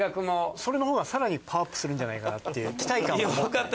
それのほうが更にパワーアップするんじゃないかなっていう期待感を持って。